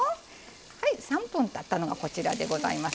はい３分たったのがこちらでございます。